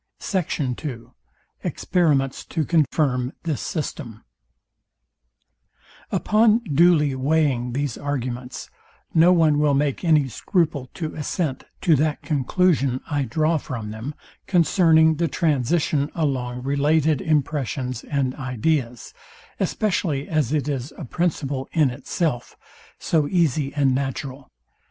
SECT. II EXPERIMENTS TO CONFIRM THIS SYSTEM Upon duly weighing these arguments, no one will make any scruple to assent to that conclusion I draw from them, concerning the transition along related impressions and ideas, especially as it is a principle, in itself, so easy and natural.